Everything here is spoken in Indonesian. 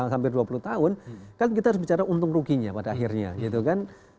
hampir dua puluh tahun kan kita harus bicara untung ruginya pada akhirnya gitu kan